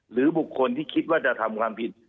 หรือบุคคลที่คิดว่าจะทำความผิด